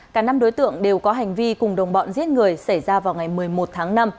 cả năm đối tượng đều có hành vi cùng đồng bọn giết người xảy ra vào ngày một mươi một tháng năm